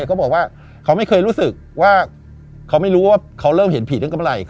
เขาบอกว่าเขาไม่เคยรู้สึกว่าเขาไม่รู้ว่าเขาเริ่มเห็นผีเรื่องกำไร